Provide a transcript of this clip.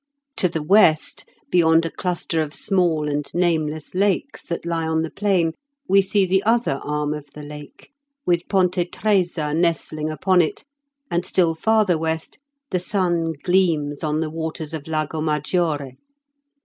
To the west, beyond a cluster of small and nameless lakes that lie on the plain, we see the other arm of the lake, with Ponte Tresa nestling upon it, and still farther west the sun gleams on the waters of Lago Maggiore.